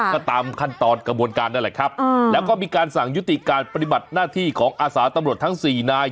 ก็ตามขั้นตอนกระบวนการนั่นแหละครับแล้วก็มีการสั่งยุติการปฏิบัติหน้าที่ของอาสาตำรวจทั้งสี่นาย